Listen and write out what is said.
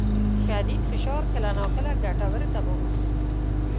شدید فشار کله ناکله ګټور تمامېږي.